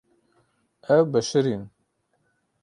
Ew bişirîn.